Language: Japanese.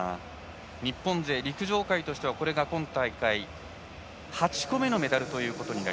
日本勢、陸上界としてはこれが今大会８個目のメダル。